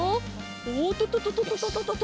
おっとととととととと。